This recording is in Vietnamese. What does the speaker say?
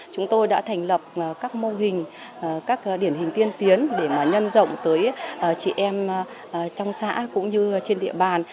chúng tôi đã thành lập các mô hình các điển hình tiên tiến để nhân rộng tới chị em trong xã cũng như trên địa bàn